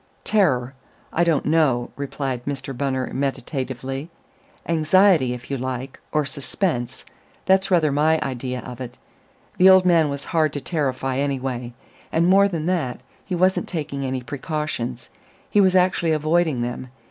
"Terror I don't know," replied Mr. Bunner meditatively. "Anxiety, if you like ... or suspense that's rather my idea of it. The old man was hard to terrify, anyway; and more than that, he wasn't taking any precautions he was actually avoiding them.